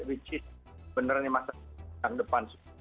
which is beneran yang masa depan